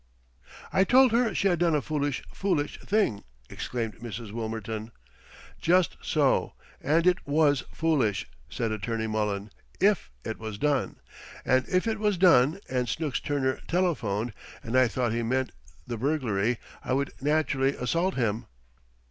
"I told her she had done a foolish, foolish thing!" exclaimed Mrs. Wilmerton. "Just so! And it was foolish," said Attorney Mullen, "If it was done. And, if it was done, and Snooks Turner telephoned, and I thought he meant the burglary, I would, naturally, assault him."